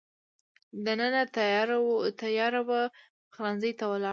دننه تېاره وه، پخلنځي ته ولاړم.